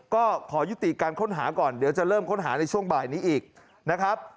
ก็ขอยุติการค้นหาก่อนเดี๋ยวจะเริ่มค้นหาในช่วงบ่ายนี้อีกนะครับ